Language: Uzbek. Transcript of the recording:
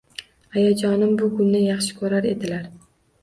Ayajonim bu gulni yaxshi koʻrar edilar.